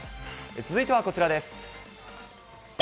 続いてはこちらです。